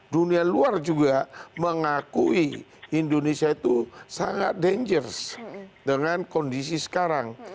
dunia luar juga mengakui indonesia itu sangat dangers dengan kondisi sekarang